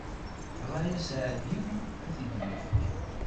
Ṛṛay asaεdi ad t-id-ifk.